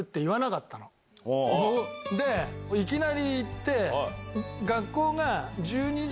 いきなり行って。